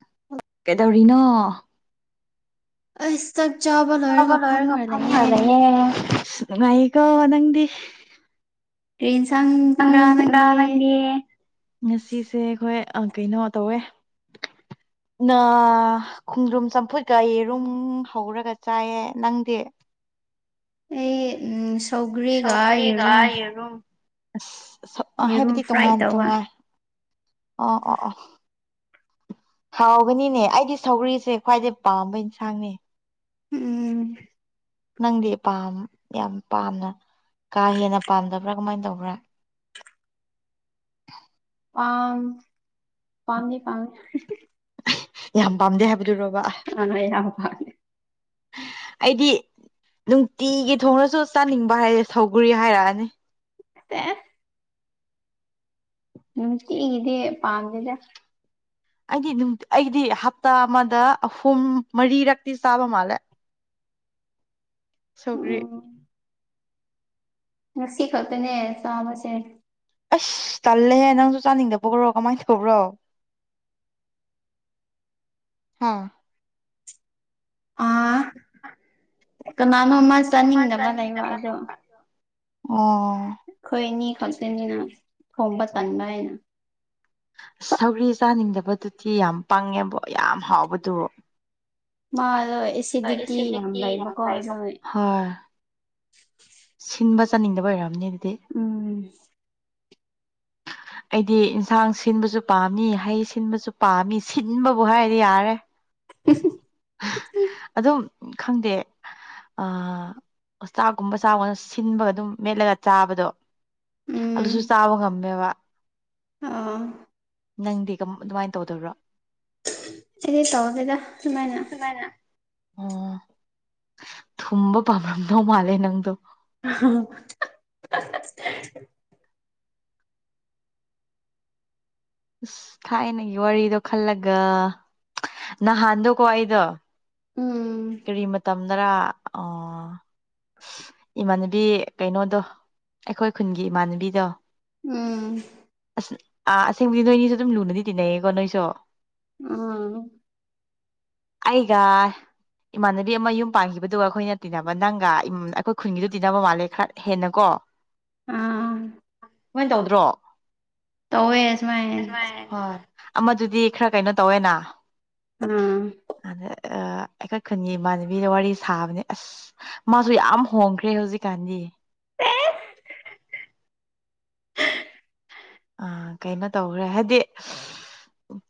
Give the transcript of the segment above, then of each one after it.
[inaudible] ꯀꯩꯗꯧꯔꯤꯅꯣ ꯑꯁꯤ ꯁꯛ ꯆ ꯕ ꯂꯣꯏꯔ ꯉꯐꯝ ꯍꯥꯏꯜꯂꯌꯦꯦ ꯅꯨꯡꯉꯥꯏꯀꯣ ꯅꯪꯗꯤ꯫ ꯇ꯭ꯔꯦꯟꯁꯥꯡ꯭ꯔ ꯅꯪꯗꯤ꯫ ꯉꯁꯤꯁꯦ ꯑꯩꯈꯣꯏ ꯀꯩꯅꯣ ꯇꯧꯋꯦ ꯅ ꯈꯣꯡꯗ꯭ꯔꯨꯝ ꯆꯝꯐꯨꯠꯀ ꯌꯦꯔꯨꯝ ꯍꯧꯔꯒ ꯆꯥꯏꯌꯦ ꯅꯪꯗꯤ ꯑꯦꯝ ꯁꯧꯒꯔꯤꯒ ꯁꯧꯒ꯭ꯔꯤꯒ ꯌꯦꯔꯨꯝ ꯑꯁ ꯌꯦꯔꯨꯝ ꯍꯥꯏꯕꯗꯤ ꯐ꯭ꯔꯥꯏ ꯇꯣꯉꯥꯟ ꯇꯧꯕ ꯇꯣꯉꯥꯟ ꯑꯣ ꯑꯣ ꯑꯣ ꯍꯥꯎꯕꯅꯤꯅꯦ ꯑꯩꯗꯤ ꯁꯧꯒꯔꯤꯁꯦ ꯈ꯭ꯋꯥꯏꯗꯩ ꯄꯥꯝꯕ ꯏꯟꯁꯥꯡꯅꯦ꯫ ꯎꯝ ꯅꯪꯗꯤ ꯄꯥꯝ ꯌꯥꯝ ꯄꯥꯝꯅ ꯀꯥ ꯍꯦꯟꯅ ꯄꯥꯝꯗꯕ꯭ꯔꯥ ꯀꯃꯥꯏꯅ ꯇꯧꯕ꯭ꯔꯥ ꯄꯝ ꯄꯅꯤ ꯄꯝ ꯌꯥꯝ ꯄꯥꯝꯗꯦ ꯍꯥꯏꯕꯗꯨꯔꯣꯕ ꯑ ꯌꯥ ꯐꯅꯦ꯫ ꯑꯩꯗꯤ ꯅꯨꯡꯇꯤꯒꯤ ꯊꯣꯡꯅꯁꯨ ꯆꯥꯅꯤꯡꯕ ꯍꯥꯏꯔꯔꯦ ꯁꯧꯒꯔꯤ ꯍꯥꯏꯔꯛꯑꯅꯤ꯫ [unintelligible] ꯅꯨꯡꯇꯤ ꯒꯤꯗꯤ ꯄꯥꯡꯝꯗ꯫ ꯑꯩꯗꯤ ꯑꯩꯗꯤ ꯍꯞꯇꯥ ꯑꯃꯗ ꯑꯍꯨꯝ ꯃꯔꯤꯔꯛꯇꯤ ꯆꯥꯕ ꯃꯥꯜꯂꯦ꯫ ꯁꯧꯒ꯭ꯔꯤ ꯎꯝ ꯉꯁꯤ ꯈꯛꯇꯅꯦ ꯆꯥꯕꯁꯦ꯫ ꯑꯁ ꯇꯜꯂꯦꯍꯦ ꯅꯪꯁꯨ ꯆꯥꯅꯤꯡꯗꯕꯈ꯭ꯔꯣ ꯀꯃꯥꯏꯅ ꯇꯧꯕ꯭ꯔꯣ ꯍꯥꯥ ꯑꯥ [inaudible] ꯀꯅꯥꯅꯣꯃ ꯆꯥꯅꯤꯡꯗꯕ ꯂꯩꯕ ꯑꯗꯣ ꯑꯣ ꯑꯩꯈꯣꯏꯅꯤ ꯈꯛꯁꯤꯅꯤꯅ ꯊꯣꯡꯕ ꯆꯟꯕ ꯍꯥꯏꯅ ꯁꯧꯔꯤ ꯆꯥꯅꯤꯡꯗꯕꯗꯨꯗꯤ ꯌꯥꯝ ꯄꯪꯉꯦꯕꯣ ꯌꯥꯝ ꯍꯥꯎꯕꯗꯨ ꯃꯥ ꯑꯦꯦꯗꯤꯗꯤ ꯍ ꯑꯦꯁꯤꯗꯤꯇꯤ ꯂꯩ ꯌꯥꯝ ꯃꯈ ꯀ ꯂꯩꯕ ꯑꯖ ꯍꯣꯏ ꯁꯤꯟꯕ ꯆꯥꯅꯤꯡꯗꯕ ꯑꯣꯏꯔꯑꯝꯅꯦ ꯑꯗꯨꯗꯤ ꯎꯝ ꯑꯩꯗꯤ ꯌꯦꯟꯁꯥꯡ ꯁꯤꯟꯕꯁꯨ ꯄꯥꯝꯃꯤ ꯍꯩ ꯁꯤꯟꯕꯁꯨ ꯄꯥꯝꯃꯤ ꯁꯤꯟꯕꯕꯨ ꯍꯥꯏꯔꯗꯤ ꯌꯥꯔꯦ꯫ ꯑꯗꯨꯝ ꯈꯪꯗꯦ꯫ ꯑ ꯆꯥꯛꯀꯨꯝꯕ ꯆꯥꯕꯅ ꯁꯤꯟꯕꯒ ꯑꯗꯨꯝ ꯃꯦꯠꯂꯒ ꯆꯥꯕꯗꯣ ꯎꯝ ꯑꯂꯨꯁꯨ ꯆꯥꯕ ꯉꯝꯃꯦꯕ ꯑꯥ ꯅꯪꯗꯤ ꯑꯗꯨꯃꯥꯏꯅ ꯇꯧꯗꯕ꯭ꯔꯣ ꯑꯩꯗꯤ ꯇꯧꯔꯒꯦꯗ ꯁꯨꯃꯥꯏꯅ ꯑꯣ ꯊꯨꯝꯕ ꯄꯥꯝꯔꯝꯗꯧ ꯃꯥꯜꯂꯦ ꯅꯪꯗꯣ ꯑꯣ ꯑꯁ ꯊꯥꯏꯅꯒꯤ ꯋꯥꯔꯤꯗꯣ ꯈꯜꯂꯒ ꯅꯍꯥꯟꯗꯣꯀꯣ ꯑꯩꯗꯣ ꯎꯝ ꯀꯔꯤ ꯃꯇꯝꯗꯔ ꯑꯣ ꯑꯥ ꯏꯃꯥꯟꯅꯕꯤ ꯀꯩꯅꯣꯗꯣ ꯑꯩꯈꯣꯏ ꯈꯨꯟꯒꯤ ꯏꯃꯥꯟꯅꯕꯤꯗꯣ ꯎꯝ ꯑꯁ ꯑꯥ ꯑꯁꯦꯡꯕꯗꯤ ꯅꯣꯏꯅꯤꯁꯨ ꯑꯗꯨꯝ ꯂꯨꯅꯗꯤ ꯇꯤꯟꯅꯩꯌꯦꯀꯣ ꯅꯣꯏꯁꯨ ꯎꯝ ꯑꯩꯒ ꯏꯃꯥꯟꯅꯕꯤ ꯑꯃ ꯌꯨꯝ ꯄꯥꯟꯈꯤꯕꯗꯨꯒ ꯑꯩꯈꯣꯏꯅ ꯇꯤꯟꯅꯕ ꯅꯪꯒ ꯑꯩꯈꯣꯏ ꯈꯨꯟꯒꯤꯗꯨ ꯇꯤꯟꯅꯕ ꯃꯥꯜꯂꯦ ꯈꯔ ꯍꯦꯟꯅ ꯀꯣ ꯑꯥ ꯀꯃꯣꯏꯅ ꯇꯧꯗ꯭ꯔꯣ ꯇꯧꯋꯦ ꯁꯨꯃꯥꯏꯅ ꯑꯃꯗꯨꯗꯤ ꯈꯔ ꯀꯩꯅꯣ ꯇꯧꯋꯦꯅ ꯎꯝ ꯑꯥ ꯑꯩꯈꯣꯏ ꯈꯨꯟꯒꯤ ꯏꯃꯥꯟꯅꯕꯤꯗ ꯋꯥꯔꯤ ꯁꯥꯕꯅꯦ ꯑꯁ ꯃꯥꯁꯨ ꯌꯥꯝ ꯍꯣꯡꯈ꯭ꯔꯦ ꯍꯧꯖꯤꯛꯀꯥꯟꯗꯤ ꯑ ꯀꯩꯅꯣ ꯇꯧꯈ꯭ꯔꯦ ꯍꯥꯏꯗꯤ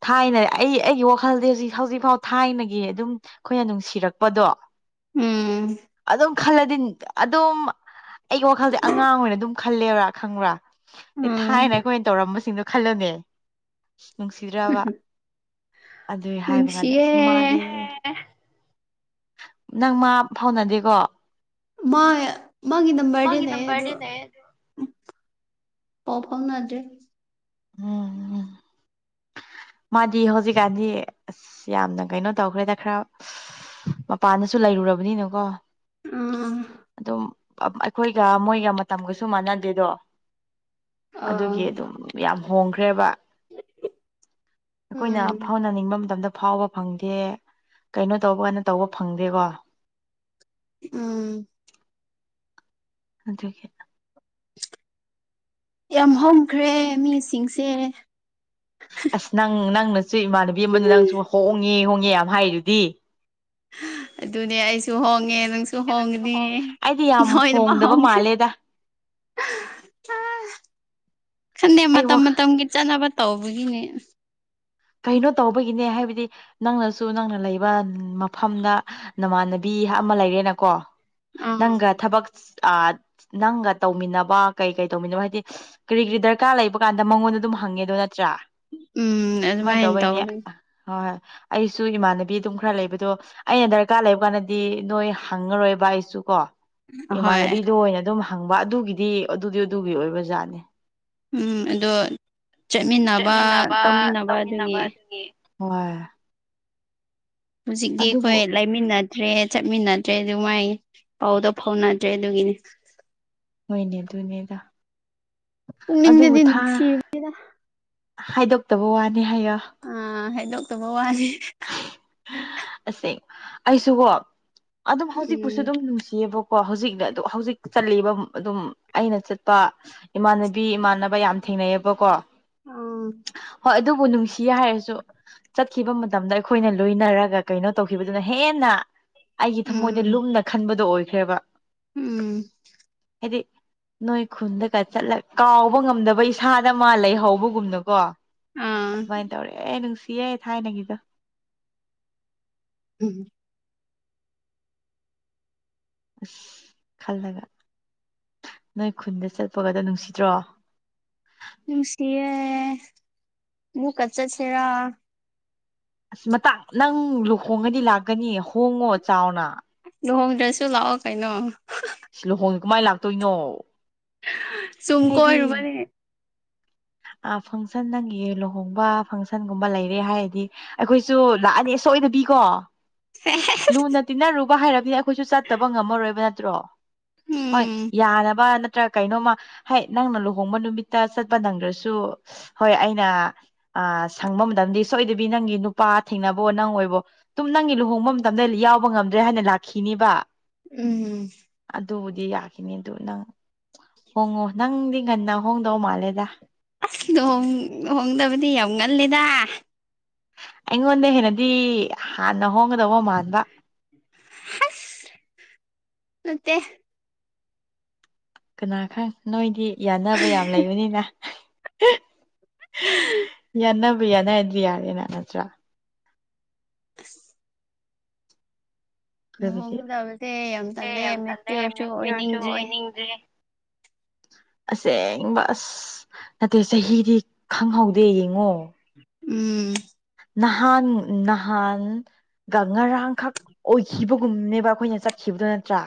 ꯊꯥꯏꯅ ꯑꯩ ꯑꯩꯒꯤ ꯋꯥꯈꯜꯗꯤ ꯍꯧꯖꯤꯛ ꯍꯧꯖꯤꯛꯐꯥꯎ ꯊꯥꯏꯅꯒꯤ ꯑꯗꯨꯝ ꯑꯩꯈꯣꯏꯅ ꯅꯨꯡꯁꯤꯔꯛꯄꯗꯣ ꯎꯝ ꯑꯗꯨꯝ ꯈꯜꯂꯗꯤ ꯑꯗꯨꯝ ꯑꯩꯒꯤ ꯋꯥꯈꯜꯗꯤ ꯑꯉꯥꯡ ꯑꯣꯏꯅ ꯑꯗꯨꯝ ꯈꯜꯂꯦꯕ꯭ꯔꯥ ꯈꯪꯕ꯭ꯔꯥ ꯎꯝ ꯊꯥꯏꯅ ꯑꯩꯈꯣꯏꯅ ꯇꯧꯔꯝꯕꯁꯤꯡꯗꯣ ꯈꯜꯂꯅꯦ ꯑꯁ ꯅꯨꯡꯁꯤꯗ꯭ꯔꯕ ꯑꯗꯨꯏ ꯍꯥꯏꯕ ꯀꯥꯟꯗ ꯑꯁꯨꯝ ꯅꯨꯡꯁꯤꯌꯦ ꯃꯥꯗꯦ ꯅꯪ ꯃꯥ ꯐꯥꯎꯅꯗꯦꯀꯣ ꯃꯥ ꯃꯥꯒꯤ ꯅꯝꯕꯔꯗꯤ ꯃꯥꯒꯤ ꯂꯩ ꯑꯗꯣ ꯅꯝꯕꯔꯗꯤ ꯂꯩꯌꯦ ꯑꯗꯨ ꯄꯣ ꯐꯥꯎꯅꯖꯦ ꯎꯝ ꯎꯝ ꯃꯥꯗꯤ ꯍꯧꯖꯤꯛꯀꯥꯟꯗꯤ ꯑꯁ ꯌꯥꯝꯅ ꯀꯩꯅꯣ ꯇꯧꯈ꯭ꯔꯦꯗ ꯈꯔ ꯃꯄꯥꯟꯅꯁꯨ ꯂꯩꯔꯨꯔꯕꯅꯤꯅꯀꯣ ꯎꯝ ꯑꯗꯨꯝ ꯑꯩꯈꯣꯏꯒ ꯃꯣꯏꯒ ꯃꯇꯝꯒꯁꯨ ꯃꯥꯟꯅꯗꯦꯗꯣ ꯑꯥ ꯑꯗꯨꯒꯤ ꯑꯗꯨꯝ ꯌꯥꯝ ꯍꯣꯡꯈ꯭ꯔꯦꯕ ꯑꯩꯈꯣꯏꯅ ꯎꯝ ꯐꯥꯎꯅꯅꯤꯡꯕ ꯃꯇꯝꯗ ꯐꯥꯎꯕ ꯐꯪꯗꯦ ꯀꯩꯅꯣ ꯇꯧꯕ ꯀꯥꯟꯗ ꯇꯧꯕ ꯐꯪꯗꯦꯀꯣ ꯎꯝ ꯑꯗꯨꯗꯒꯤ ꯌꯥꯝ ꯍꯣꯡꯈ꯭ꯔꯦ ꯃꯤꯁꯤꯡꯁꯦ ꯑꯁ ꯅꯪ ꯅꯪꯅꯁꯨ ꯏꯃꯥꯟꯅꯕꯤ ꯑꯃꯅ ꯅꯪꯁꯨ ꯍꯣꯡꯉꯦ ꯍꯣꯡꯉꯦ ꯌꯥꯝ ꯍꯥꯏꯔꯨꯗꯤ ꯑꯗꯨꯅꯦ ꯑꯩꯁꯨ ꯍꯣꯡꯉꯦ ꯅꯪꯁꯨ ꯍꯣꯡꯒꯅꯤ ꯍꯣꯡꯉꯦ ꯑꯩꯗꯤ ꯌꯥꯝ ꯍꯗꯃ ꯍꯣꯡꯗꯕ ꯍꯁꯦ ꯃꯥꯜꯂꯦꯗ ꯈꯟꯗꯦ ꯑꯩ ꯋꯥ ꯃꯇꯝ ꯃꯇꯝꯒꯤ ꯆꯠꯅꯕ ꯇꯧꯕꯒꯤꯅꯦ ꯀꯩꯅꯣ ꯇꯧꯕꯒꯤꯅꯦ ꯍꯥꯏꯕꯗꯤ ꯅꯪꯅꯁꯨ ꯅꯪꯅ ꯂꯩꯕ ꯃꯐꯝꯗ ꯅꯃꯥꯟꯅꯕꯤ ꯍꯥꯞ ꯑꯃ ꯂꯩꯔꯦꯅꯀꯣ ꯎꯝ ꯅꯪꯒ ꯊꯕꯛ ꯑ ꯅꯪꯒ ꯇꯧꯃꯤꯟꯅꯕ ꯀꯩ ꯀꯩ ꯇꯧꯃꯤꯟꯅꯕ ꯍꯥꯏꯗꯤ ꯀꯔꯤ ꯀꯔꯤ ꯗꯔꯀꯥꯔ ꯂꯩꯕ ꯀꯥꯟꯗ ꯃꯉꯣꯟꯗ ꯑꯗꯨꯝ ꯍꯪꯉꯦꯗꯣ ꯅꯠꯇ꯭ꯔꯥ ꯎꯝ ꯑꯗꯨꯃꯥꯏꯅ ꯇꯧꯅꯤ ꯍꯣꯏ ꯍꯣꯏ ꯑꯩꯁꯨ ꯏꯃꯥꯟꯅꯕꯤ ꯑꯗꯨꯝ ꯈꯔ ꯂꯩꯕꯗꯣ ꯑꯩꯅ ꯗꯔꯀꯥꯔ ꯂꯩꯕ ꯀꯥꯟꯗꯗꯤ ꯅꯣꯏ ꯍꯪꯉꯔꯣꯏꯕ ꯑꯩꯁꯨ ꯀꯣ ꯑꯍꯣꯏ ꯏꯃꯥꯟꯅꯕꯤꯗ ꯑꯣꯏꯅ ꯑꯗꯨꯝ ꯍꯪꯕ ꯑꯗꯨꯒꯤꯗꯤ ꯑꯗꯨꯗꯤ ꯑꯗꯨꯒꯤ ꯑꯣꯏꯕ ꯖꯥꯠꯅꯦ ꯎꯝ ꯑꯗꯣ ꯆꯠꯃꯤꯟꯅꯕ ꯇꯧꯃꯤꯟꯅꯕ ꯑꯗꯨꯒꯤ ꯍꯣꯏ꯫ ꯍꯧꯖꯤꯛꯇꯤ ꯑꯗꯨꯕꯨ ꯑꯩꯈꯣꯏ ꯂꯩꯃꯤꯟꯅ ꯠꯇ꯭ꯔꯦ ꯆꯠꯃꯤꯟꯅꯗ꯭ꯔꯦ ꯑꯗꯨ ꯃꯥꯏ ꯄꯥꯎꯗꯣ ꯐꯥꯎꯅꯗ꯭ꯔꯦ ꯑꯗꯨꯒꯤꯅꯤ ꯍꯣꯏꯅꯦ ꯑꯗꯨꯅꯦꯗ ꯑꯗꯨꯕꯨ ꯄꯨꯛꯅꯤꯡꯗꯗꯤ ꯊꯥ ꯅꯨꯡꯁꯤ ꯍꯥꯏꯗꯣꯛꯇꯕ ꯋꯥꯅꯤ ꯍꯥꯏꯌ ꯑꯥ ꯍꯥꯏꯩꯗꯣꯛꯇꯕ ꯋꯥꯅꯤꯦ ꯑꯁꯦꯡ ꯑꯩꯁꯨꯀꯣ ꯑꯗꯨꯝ ꯍꯧꯖꯤꯛꯄꯨꯁꯨ ꯎꯝ ꯑꯗꯨꯝ ꯅꯨꯡꯁꯤꯌꯦꯕ ꯀꯣ ꯍꯧꯖꯤꯛꯅꯦ ꯑꯗꯨ ꯍꯧꯖꯤꯛ ꯆꯕ ꯑꯗꯨꯝ ꯑꯩꯅ ꯆꯠꯄ ꯏꯃꯥꯟꯅꯕꯤ ꯏꯃꯥꯟꯅꯕ ꯌꯥꯝ ꯊꯦꯡꯅꯩꯑꯕꯀꯣ ꯑ ꯑꯗꯨꯕꯨ ꯅꯨꯡꯁꯤ ꯍꯥꯏꯔꯁꯨ ꯆꯠꯈꯤꯕ ꯃꯇꯝꯗ ꯑꯩꯈꯣꯏꯅ ꯂꯣꯏꯅꯔꯒ ꯀꯩꯅꯣ ꯇꯧꯈꯤꯕꯗꯨꯅ ꯍꯦꯟꯅ ꯑꯩꯒꯤ ꯊꯃꯣꯏꯗ ꯎꯝ ꯂꯨꯝꯅ ꯈꯟꯕꯗꯣ ꯑꯣꯏꯈ꯭ꯔꯦꯕ ꯎꯝ [unintelligible] ꯅꯣꯏ ꯈꯨꯟꯗꯒ ꯆꯠꯂ ꯀꯥꯎꯕ ꯉꯝꯗꯕ ꯏꯁꯥꯗ ꯑꯃꯥ ꯂꯩꯍꯧꯕꯒꯨꯝꯅꯀꯣ ꯑꯥ ꯑꯗꯨꯃꯥꯏꯅ ꯇꯧꯔꯥꯛꯑꯦ ꯅꯨꯡꯁꯤꯌꯦ ꯊꯥꯏꯅꯒꯤꯗ ꯎꯝ ꯑꯁ ꯈꯜꯂꯒ ꯅꯣꯏ ꯈꯨꯟꯗ ꯆꯠꯄꯒꯗꯣ ꯅꯨꯡꯁꯤꯗ꯭ꯔꯣ ꯅꯨꯡꯁꯤꯌꯦ ꯑꯃꯨꯛꯀꯥ ꯆꯠꯁꯤꯔꯥ ꯑꯁ ꯃꯇꯥꯡ ꯅꯪ ꯂꯨꯍꯣꯡꯉꯗꯤ ꯂꯥꯛꯀꯅꯤ ꯍꯣꯡꯉꯣ ꯆꯥꯎꯅ ꯂꯨꯍꯣꯡꯗ꯭ꯔꯁꯨ ꯂꯥꯛꯑꯣ ꯀꯩꯅꯣ [unintelligible] ꯂꯨꯍꯣꯡꯗꯅ ꯀꯃꯥꯏꯅ ꯂꯥꯛꯇꯣꯏꯅꯣ ꯆꯨꯨꯝ ꯀꯣꯏꯔꯨꯕꯅꯦ ꯑ ꯐꯪꯁꯟ ꯅꯪꯒꯤ ꯂꯨꯍꯣꯡꯕ ꯐꯪꯁꯟꯒꯨꯝꯕ ꯂꯩꯔꯦ ꯍꯥꯏꯔꯗꯤ ꯑꯩꯈꯣꯏꯁꯨ ꯂꯥꯛꯑꯅꯤ ꯁꯣꯏꯗꯕꯤꯀꯣ [unintelligible] ꯂꯨꯅ ꯇꯤꯟꯅꯔꯨꯕ ꯍꯥꯏꯔꯕꯤ ꯑꯩꯈꯣꯏꯁꯨ ꯆꯠꯇꯕ ꯉꯝꯃꯔꯣꯏꯕ ꯅꯠꯇ꯭ꯔꯣ ꯍꯣꯏ ꯎꯝ ꯌꯥꯅꯕ ꯅꯠꯇ꯭ꯔꯒ ꯀꯩꯅꯣꯃ ꯍꯥꯏ ꯅꯪꯅ ꯂꯨꯍꯣꯡꯕ ꯅꯨꯃꯤꯠꯇ ꯆꯠꯄ ꯅꯪꯗ꯭ꯔꯁꯨ ꯁꯨ ꯍꯣꯏ ꯑꯩꯅ ꯑ ꯁꯪꯕ ꯃꯇꯝꯗꯤ ꯁꯣꯏꯗꯕꯤ ꯅꯪꯒꯤ ꯅꯨꯄꯥ ꯊꯦꯡꯅꯕꯣ ꯅꯪ ꯑꯣꯏꯕꯣ ꯇꯨꯝ ꯅꯪꯒꯤ ꯂꯨꯍꯣꯡꯕ ꯃꯇꯝꯗ ꯌꯥꯎꯕ ꯉꯝꯗ꯭ꯔꯦ ꯍꯥꯏꯅ ꯂꯥꯛꯈꯤꯅꯦꯕ ꯎꯝ ꯑꯗꯨꯕꯨꯗꯤ ꯌꯥꯈꯤꯅꯤ ꯑꯗꯨ ꯅꯪ ꯍꯣꯡꯉꯣ ꯅꯪꯗꯤ ꯉꯟꯅ ꯍꯣꯡꯗꯧ ꯃꯥꯜꯂꯦꯗ ꯑꯁ ꯂꯨꯍꯣꯡ ꯂꯨꯍꯣꯡꯗꯕꯗꯤ ꯌꯥꯝ ꯉꯜꯂꯤꯗ ꯑꯩꯉꯣꯟꯗꯩ ꯍꯦꯟꯅꯗꯤ ꯍꯥꯟꯅ ꯍꯣꯡꯒꯗꯧꯕ ꯃꯥꯟꯕ ꯍꯩꯁ ꯅꯠꯇꯦ ꯀꯅꯥ ꯈꯪ ꯅꯣꯏꯗꯤ ꯌꯥꯟꯅꯕ ꯌꯥꯝ ꯂꯩꯕꯅꯤꯅ ꯌꯥꯅꯕꯨ ꯌꯥꯅꯔꯗꯤ ꯌꯥꯔꯦ ꯅ ꯍꯠꯇ꯭ꯔꯥ [unintelligible] [unintelligible] ꯂꯨꯍꯣꯡꯒꯗꯕꯁꯦ ꯑꯦ ꯌꯥꯝ ꯇꯜꯂꯦ ꯃꯦꯆꯤꯌꯣꯔꯁꯨ ꯃꯦꯌꯣꯔꯁꯨ ꯑꯣꯏꯅꯤꯡꯗ꯭ꯔꯦ ꯑꯣꯏꯅꯤꯡꯗ꯭ꯔꯤ ꯑꯁꯦꯡꯕ ꯑꯁ ꯅꯠꯇꯦ ꯆꯍꯤꯗꯤ ꯈꯪꯍꯧꯗꯦ ꯌꯦꯡꯉꯣ ꯎꯝ ꯅꯍꯥꯟ ꯅꯍꯥꯟ ꯉꯔꯥꯡꯈꯛ ꯑꯣꯏꯈꯤꯕꯒꯨꯝꯅꯦꯕ ꯑꯩꯈꯣꯏꯅ ꯆꯠꯈꯤꯕꯗꯣ ꯅꯠꯇ꯭ꯔꯥ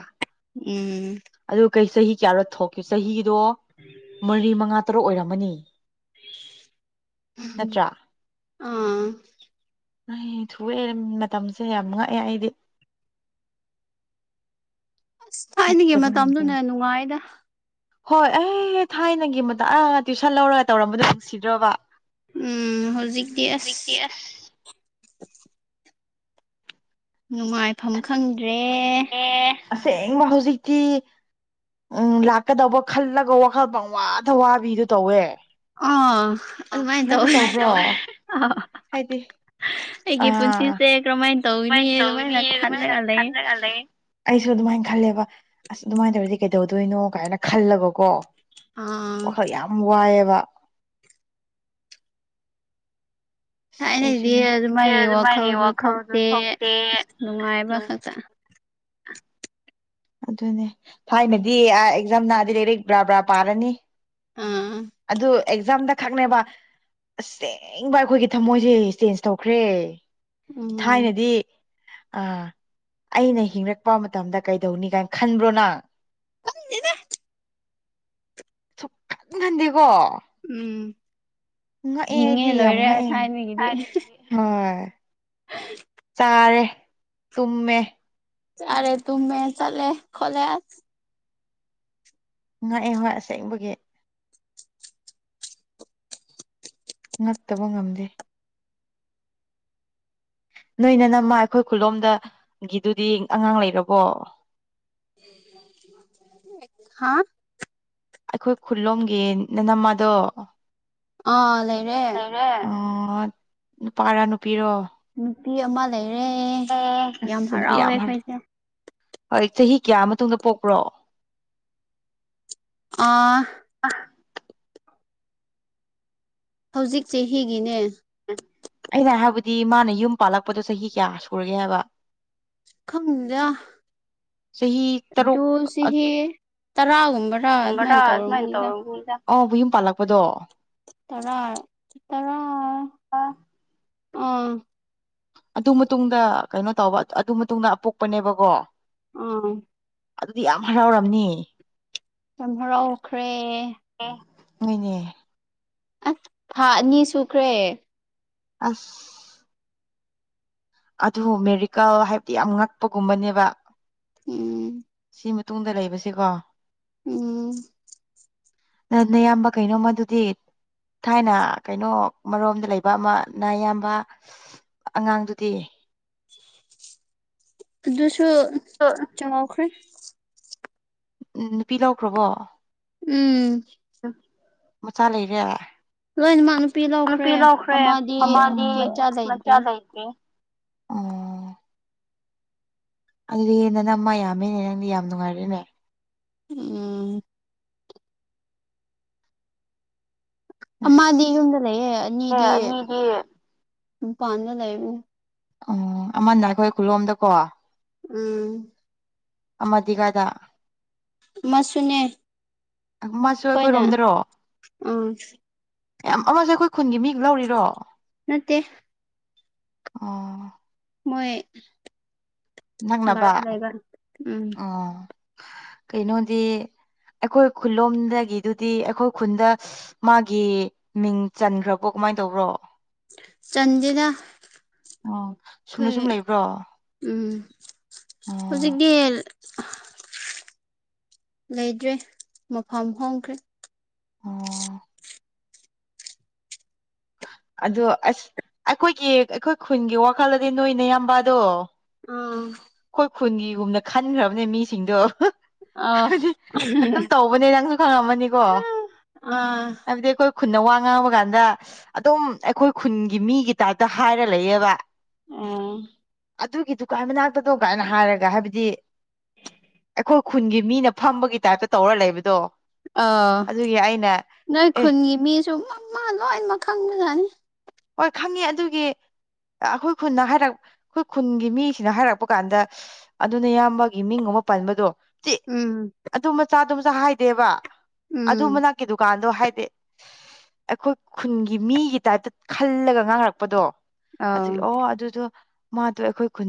ꯎꯝ ꯑꯗꯨ ꯀꯩ ꯆꯍꯤ ꯀꯌꯥꯔꯣ ꯊꯣꯛꯀꯦ ꯆꯍꯤꯗꯣ ꯃꯔꯤ ꯃꯉꯥ ꯇꯔꯨꯛ ꯑꯣꯏꯔꯝꯃꯅꯤ ꯅꯠꯇ꯭ꯔꯥ [unintelligible] ꯑꯥ ꯑꯩ ꯊꯨꯑꯦ ꯃꯇꯝꯁꯦ ꯌꯥꯝ ꯉꯛꯑꯦ ꯑꯩꯗꯤ ꯑꯁ ꯊꯥꯏꯅꯒꯤ ꯉꯛꯇꯕ ꯉꯝꯗꯦ ꯃꯇꯝꯗꯨꯅ ꯅꯨꯡꯉꯥꯏꯗ ꯍꯣꯏ ꯑꯩ ꯊꯥꯏꯅꯒꯤ ꯃꯠ ꯇ꯭ꯋꯨꯏꯁꯟ ꯂꯧꯔꯒ ꯇꯧꯔꯝꯕꯗꯨ ꯅꯨꯡꯁꯤꯗ꯭ꯔꯣꯕ ꯎꯝ ꯍꯧꯖꯤꯛꯇꯤ ꯑꯁ ꯅꯨꯡꯉꯥꯏꯐꯝ ꯈꯪꯗ꯭ꯔꯦ ꯑꯦ ꯑꯁꯦꯡꯕ ꯍꯧꯖꯤꯛꯇꯤ ꯎꯝ ꯂꯥꯛꯀꯗꯧꯕ ꯈꯜꯂꯒ ꯋꯥꯈꯜ ꯄꯪꯋꯥꯗ ꯋꯥꯕꯤꯗꯨ ꯇꯧꯋꯦ ꯑꯥ ꯑꯗꯨꯃꯥꯏꯅ ꯅꯪꯁꯨ ꯇꯧꯋꯦ ꯇꯧꯕ꯭ꯔꯣ [unintelligible] ꯑꯥ ꯍꯥꯏꯗꯤ ꯑꯩꯒꯤ ꯄꯨꯟꯁꯤꯁꯦ ꯀꯔꯃꯥꯏꯅ ꯀꯃꯥꯏꯅ ꯇꯧꯒꯅꯤ ꯑꯗꯨꯃꯥꯏꯅ ꯈꯜꯂꯥꯒ ꯂꯩꯌꯦ ꯑꯩꯁꯨ ꯑꯗꯨꯃꯥꯏꯅ ꯈꯜꯂꯦꯕ ꯑꯁ ꯑꯗꯨꯃꯥꯏꯅ ꯇꯧꯔꯗꯤ ꯀꯩꯗꯧꯗꯣꯏꯅꯣ ꯀꯥꯏꯅ ꯈꯜꯂꯒꯀꯣ ꯑꯥ ꯋꯥꯈꯜ ꯌꯥꯝ ꯋꯥꯏꯑꯦꯕ ꯑꯁ ꯊꯥꯏꯅꯒꯤꯗꯤ ꯑꯩꯁꯨꯅꯦ ꯑꯗꯨꯃꯥꯏꯅ ꯋꯥꯈꯜꯗꯨ ꯋꯥꯈꯜꯁꯨ ꯊꯣꯛꯇꯦ ꯊꯣꯛꯇꯦ ꯑꯁ ꯅꯨꯡꯉꯥꯏꯕ ꯈꯛꯇꯥ ꯑꯗꯨꯅꯦ ꯊꯥꯏꯅꯗꯤ ꯑ ꯑꯦꯛꯖꯥꯝ ꯅꯛꯑꯥꯗꯤ ꯂꯩꯔꯛ ꯕꯔꯥ ꯕꯔꯥ ꯄꯥꯔꯅꯤ ꯑꯥ ꯑꯗꯨ ꯑꯦꯛꯖꯥꯝꯗꯥ ꯈꯛꯅꯦꯕ ꯑꯁꯦꯡꯕ ꯑꯩꯈꯣꯏꯒꯤ ꯊꯃꯣꯏꯁꯦ ꯆꯦꯟꯖ ꯇꯧꯈ꯭ꯔꯦ ꯎꯝ ꯊꯥꯏꯅꯗꯤ ꯑꯥ ꯑꯩꯅ ꯍꯤꯡꯔꯛꯄꯥ ꯃꯇꯝꯗ ꯀꯩꯗꯧꯅꯤ ꯀꯥꯏꯟ ꯈꯟꯕ꯭ꯔꯣ ꯅꯪ ꯈꯟꯗꯦꯗ ꯁꯨꯛꯈꯟ ꯈꯟꯗꯦꯀꯣ ꯎꯝ ꯉꯛꯑꯦ ꯍꯤꯡꯉꯦ ꯑꯩꯗꯤ ꯌꯥꯝ ꯂꯣꯏꯔꯦ ꯉꯛꯑꯦ ꯊꯥꯏꯅꯒꯤꯗꯤ ꯍꯣꯏ [unintelligible] ꯆꯥꯔꯦ ꯇꯨꯝꯃꯦ ꯆꯥꯔꯦ ꯇꯨꯝꯃꯦ ꯆꯠꯂꯦ ꯈꯣꯠꯂꯦ ꯑꯁ ꯉꯛꯑꯦ ꯍꯣꯏ ꯑꯁꯦꯡꯕꯒꯤ ꯉꯛꯇꯥꯕ ꯉꯝꯗꯦ ꯅꯣꯏ ꯅꯥꯅꯝꯃꯥ ꯑꯩꯈꯣꯏ ꯈꯨꯜꯂꯣꯝꯗꯥ ꯒꯤꯗꯨꯗꯤ ꯑꯉꯥꯡ ꯂꯩꯔꯕꯣ ꯍꯥꯥ ꯑꯩꯈꯣꯏ ꯈꯨꯜꯂꯣꯝꯒꯤ ꯅꯥꯅꯝꯃꯥꯗꯣ ꯑꯥ ꯂꯩꯔꯦ ꯔꯦ ꯑꯣꯠ ꯅꯨꯄꯥꯔꯥ ꯅꯨꯄꯤꯔꯣ ꯅꯨꯄꯤ ꯑꯃꯥ ꯂꯩꯔꯦ ꯑꯣ ꯌꯥꯝ ꯑꯁ ꯑꯗꯨꯗꯤ ꯍꯔꯥꯎꯋꯦ ꯌꯥꯝ ꯍꯔ ꯑꯈꯣꯏꯁꯦ ꯍꯣꯏ ꯆꯥꯍꯤ ꯀꯌꯥ ꯃꯇꯨꯡꯗ ꯄꯣꯛꯄ꯭ꯔꯣ ꯑꯥ ꯍꯧꯖꯤꯛ ꯆꯥꯍꯤꯒꯤꯅꯦ ꯑꯩꯅ ꯍꯥꯏꯕꯗꯤ ꯃꯥꯅ ꯌꯨꯝ ꯄꯥꯜꯂꯛꯄꯗꯣ ꯆꯍꯤ ꯀꯌꯥ ꯁꯨꯔꯒꯦ ꯍꯥꯏꯕ ꯈꯪꯗꯥ ꯆꯍꯤ ꯇꯔꯨꯛ ꯑꯗꯨ ꯁꯤꯒꯤ ꯇꯔꯥꯒꯨꯝꯕꯔꯥ ꯒꯨꯕꯔꯥ ꯑꯗꯨꯃꯥꯏꯅ ꯑꯗꯨꯃꯥꯏꯟ ꯇꯧꯔꯝꯅꯤꯗ ꯇꯧꯔꯝꯒꯅꯤꯗꯥ ꯑꯕꯨ ꯌꯨꯝ ꯄꯥꯜꯂꯛꯄꯗꯣ ꯇꯔꯥ ꯇꯔꯥ [unintelligible] ꯑꯧ ꯑꯗꯨ ꯃꯇꯨꯡꯗ ꯀꯩꯅꯣ ꯇꯧꯕ ꯑꯗꯨ ꯃꯇꯨꯡꯗ ꯑꯄꯣꯛꯄꯅꯦꯕꯀꯣ ꯎꯝ ꯑꯗꯨꯗꯤ ꯌꯥꯝ ꯍꯔꯥꯎꯔꯝꯅꯤ ꯌꯥꯝ ꯍꯔꯥꯎꯈ꯭ꯔꯦ [unintelligible] ꯑꯁ ꯊꯥ ꯑꯅꯤ ꯁꯨꯈ꯭ꯔꯦ ꯑꯁ ꯑꯗꯨ ꯃꯦꯔꯤꯀꯜ ꯍꯥꯏꯕꯗꯤ ꯌꯥꯝ ꯉꯛꯄꯒꯨꯝꯕꯅꯦꯕ ꯎꯝ ꯁꯤ ꯃꯇꯨꯡꯗ ꯂꯩꯕꯥꯁꯦꯀꯣ ꯎꯝ ꯅꯪ ꯅꯌꯥꯝꯕ ꯀꯩꯅꯣꯃꯥꯗꯨꯗꯤ ꯊꯥꯏꯅ ꯀꯩꯅꯣ ꯃꯔꯣꯝꯗ ꯂꯩꯕ ꯑꯃ ꯅꯥꯌꯥꯝꯕ ꯑꯉꯥꯡꯗꯨ ꯗꯤ ꯑꯗꯨꯁꯨ ꯆꯥꯎꯈ꯭ꯔꯦ ꯎꯝ ꯅꯨꯄꯤ ꯂꯧꯈ꯭ꯔꯕꯣ ꯎꯝ ꯃꯆꯥ ꯂꯩꯔꯦ ꯅꯨꯄꯤ ꯂꯧꯈ꯭ꯔꯦ ꯃꯃꯥꯗꯤ ꯃꯆꯥ ꯂꯩꯇ꯭ꯔꯤ ꯑꯣ ꯑꯗꯨꯗꯤ ꯅꯅꯝꯃꯥ ꯌꯥꯝꯃꯦꯅꯦ ꯅꯪꯗꯤ ꯌꯥꯝ ꯅꯨꯡꯉꯥꯏꯔꯦꯅꯦ [unintelligible] ꯑꯃꯗꯤ ꯑꯁ ꯌꯨꯝꯗ ꯂꯩꯌꯦ ꯑꯦ ꯑꯅꯤꯗꯤ ꯑꯅꯤꯗꯤ ꯃꯥꯄꯥꯟꯗ ꯂꯩꯕꯅꯤ꯫ ꯑꯣ ꯑꯃꯅ ꯑꯩꯈꯣꯏ ꯈꯨꯟꯂꯣꯝꯗꯀꯣ꯫ ꯎꯝ ꯑꯃꯗꯤ ꯀꯥꯏꯗ? ꯑꯃꯁꯨꯅꯦ ꯃꯥꯁꯨ ꯑꯩꯈꯣꯏꯅ ꯑꯩꯈꯣꯏꯔꯣꯝꯗꯔꯣ? ꯎꯝ ꯌꯥꯝ ꯑꯃꯁꯨ ꯑꯩꯈꯣꯏ ꯈꯨꯟꯒꯤ ꯃꯤꯅ ꯂꯧꯔꯤꯔꯣ? ꯅꯠꯇꯦ ꯑꯣ ꯃꯣꯏ ꯅꯛꯅꯕ ꯚꯔꯥ ꯂꯩꯕ ꯎꯝ ꯑꯣ ꯀꯩꯅꯣꯗꯤ ꯑꯩꯈꯣꯏ ꯈꯨꯜꯂꯣꯝꯗꯒꯤꯗꯨꯗꯤ ꯑꯩꯈꯣꯏ ꯈꯨꯟꯗ ꯃꯥꯒꯤ ꯃꯤꯡ ꯆꯟꯈ꯭ꯔꯕꯣ ꯀꯃꯥꯏ ꯇꯧꯕ꯭ꯔꯣ? ꯆꯟꯗꯦꯗ ꯑꯣ ꯁꯨꯝꯅ ꯁꯨꯝ ꯑꯩꯈꯣꯏ ꯂꯩꯕ꯭ꯔꯣ? ꯎꯝ ꯑꯣ ꯍꯧꯖꯤꯛꯗꯤ ꯂꯩꯇ꯭ꯔꯦ ꯃꯐꯝ ꯍꯣꯡꯈ꯭ꯔꯦ꯫ ꯑꯣ ꯑꯗꯣ ꯑꯁ ꯑꯩꯈꯣꯏꯒꯤ ꯑꯩꯈꯣꯏ ꯈꯨꯟꯒꯤ ꯋꯥꯈꯜꯗꯗꯤ ꯅꯣꯏꯅ ꯌꯥꯝꯕꯗꯣ ꯑꯥ ꯈꯣꯏ ꯈꯨꯟꯒꯤꯒꯨꯝꯅ ꯈꯟꯈ꯭ꯔꯕꯅꯦ ꯃꯤꯁꯤꯡꯗꯣ꯫ ꯑꯥ [unintelligible] ꯑꯗꯨꯝ ꯇꯧꯕꯅꯦ ꯅꯪꯁꯨ ꯈꯪꯔꯝꯃꯅꯤꯀꯣ ꯑꯥ ꯍꯥꯏꯕꯗꯤ ꯑꯈꯣꯏ ꯈꯨꯟꯅ ꯋꯥ ꯉꯥꯡꯕ ꯀꯥꯟꯗ ꯑꯗꯨꯝ ꯑꯩꯈꯣꯏ ꯈꯨꯟꯒꯤ ꯃꯤꯒꯤ ꯇꯥꯏꯞꯇ ꯍꯥꯏꯔ ꯂꯩꯌꯦꯕ꯫ ꯎꯝ ꯑꯗꯨꯒꯤꯗꯨꯀꯥꯏ ꯃꯅꯥꯛꯇꯗꯧ ꯀꯥꯏꯅ ꯍꯥꯏꯔꯒ ꯍꯥꯏꯕꯗꯤ ꯑꯩꯈꯣꯏ ꯈꯨꯟꯒꯤ ꯃꯤꯅ ꯐꯝꯕꯒꯤ ꯇꯥꯏꯞꯇ ꯇꯧꯔ ꯂꯩꯕꯗꯣ꯫ ꯑꯥ ꯑꯗꯨꯒꯤ ꯑꯩꯅ ꯅꯣꯏ ꯑꯦ ꯈꯨꯟꯒꯤ ꯃꯤꯁꯨ ꯃꯃꯥ ꯂꯣꯏꯅꯃꯛ ꯈꯪꯕꯖꯥꯅꯤ꯫ ꯍꯣꯏ ꯈꯪꯉꯦ ꯑꯗꯨꯒꯤ ꯑꯩꯈꯣꯏ ꯈꯨꯟꯅ ꯍꯥꯏꯔꯛ ꯑꯩꯈꯣꯏ ꯈꯨꯟꯒꯤ ꯃꯤꯁꯤꯡꯅ ꯍꯥꯏꯔꯛꯄ ꯀꯥꯟꯗ ꯑꯗꯨ ꯅꯌꯥꯝꯕꯒꯤ ꯃꯤꯡ ꯒꯨꯝꯕ ꯄꯟꯕꯗꯣ ꯆꯦ ꯎꯝ ꯑꯗꯨ ꯃꯆꯥꯗꯨ ꯃꯆꯥ ꯍꯥꯏꯗꯦꯕ ꯎꯝ ꯑꯗꯨ ꯃꯅꯥꯛ ꯗꯨꯀꯥꯟꯗꯣ ꯍꯥꯏꯗꯤ ꯑꯩꯈꯣꯏ ꯈꯨꯟꯒꯤ ꯃꯤꯒꯤ ꯇꯥꯏꯞꯇ ꯈꯜꯂꯒ ꯉꯥꯡꯔꯛꯄꯗꯣ ꯑꯥꯎ ꯑꯗꯨꯒꯤ ꯑꯣ ꯑꯗꯨꯗꯣ ꯃꯥꯗꯣ ꯑꯩꯈꯣꯏ ꯈꯨꯟ